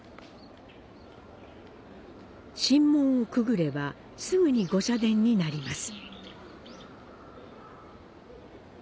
神門をくぐればすぐに「御社殿」になります。